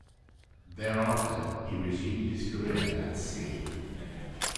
Thereafter he resumed his career at sea.